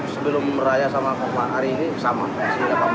sebelum meraya sama kompak hari ini sama